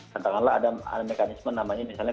katakanlah ada mekanisme namanya misalnya